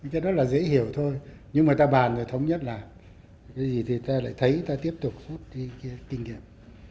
chắc đó là dễ hiểu thôi nhưng mà ta bàn rồi thống nhất là cái gì thì ta lại thấy ta tiếp tục kinh nghiệm